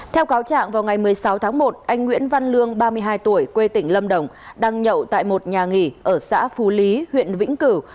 theo cáo trạng vào ngày một mươi sáu tháng một anh nguyễn văn lương ba mươi hai tuổi quê tỉnh lâm đồng đang nhậu tại một nhà nghỉ ở xã phú lý huyện vĩnh cửu